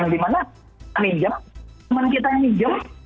dimana teman kita yang meninjam